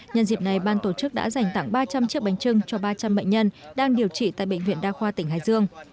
nhân dịp này ban tổ chức đã dành tặng ba trăm linh chiếc bánh trưng cho ba trăm linh bệnh nhân đang điều trị tại bệnh viện đa khoa tỉnh hải dương